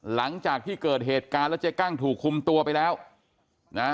หลังจากที่เกิดเหตุการณ์แล้วเจ๊กั้งถูกคุมตัวไปแล้วนะ